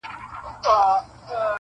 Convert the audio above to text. یو چا سپی ښخ کړئ دئ په هدیره کي,